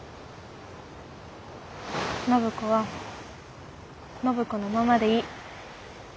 暢子は暢子のままでいい。